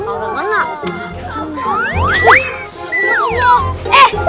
ya kalau gak enak